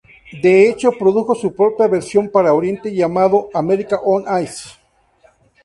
De hecho, produjo su propia versión para Oriente llamado "America On Ice".